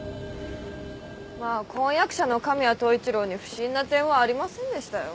まあ婚約者の神谷統一郎に不審な点はありませんでしたよ。